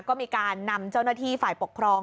ก็นำเจ้าหน้าที่ฝ่ายปกพรอง